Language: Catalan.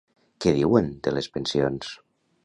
Què diuen de les pensions?